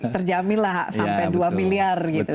terjamin lah sampai dua miliar gitu